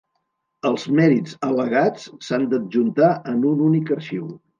Els mèrits al·legats s'han d'adjuntar en un únic arxiu.